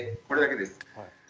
これだけです。